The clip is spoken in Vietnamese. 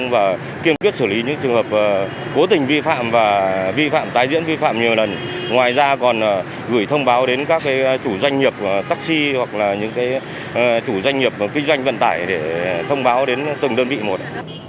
vận tải để thông báo đến từng đơn vị một